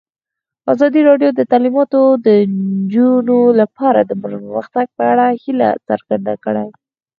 ازادي راډیو د تعلیمات د نجونو لپاره د پرمختګ په اړه هیله څرګنده کړې.